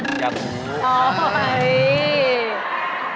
เต้นใจไหมค่ะ